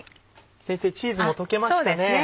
先生チーズも溶けましたね。